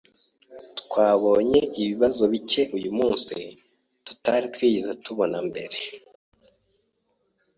Twabonye ibibazo bike uyumunsi tutari twigeze tubona mbere.